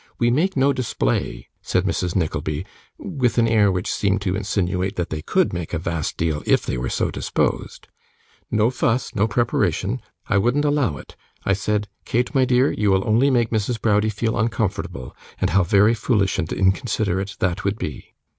We make no display,' said Mrs Nickleby, with an air which seemed to insinuate that they could make a vast deal if they were so disposed; 'no fuss, no preparation; I wouldn't allow it. I said, "Kate, my dear, you will only make Mrs. Browdie feel uncomfortable, and how very foolish and inconsiderate that would be!"